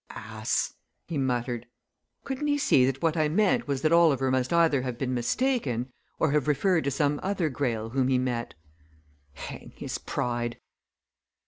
"Ass!" he muttered. "Couldn't he see that what I meant was that Oliver must either have been mistaken, or have referred to some other Greyle whom he met? Hang his pride!